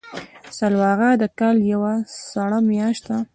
سلواغه د کال یوه سړه میاشت ده.